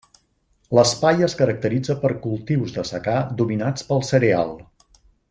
L'Espai es caracteritza per cultius de secà dominats pel cereal.